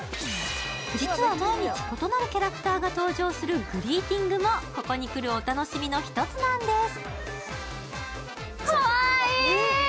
実は毎日異なるキャラクターが登場するグリーティングも、ここに来るお楽しみの１つなんです。